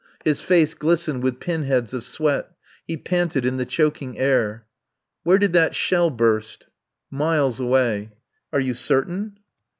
His face glistened with pinheads of sweat; he panted in the choking air. "Where did that shell burst?" "Miles away." "Are you certain?"